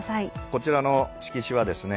こちらの色紙はですね